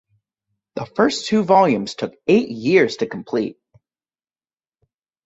The first two volumes took eight years to complete.